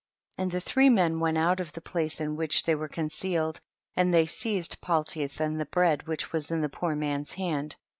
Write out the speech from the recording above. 33. And the three men went out of the place in which they were con cealed, and they seized Paltith and the bread which was in the poor man's hand.